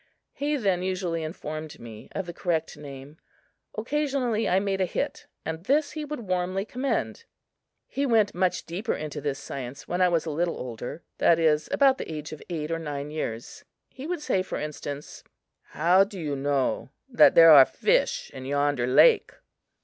He then usually informed me of the correct name. Occasionally I made a hit and this he would warmly commend. He went much deeper into this science when I was a little older, that is, about the age of eight or nine years. He would say, for instance: "How do you know that there are fish in yonder lake?"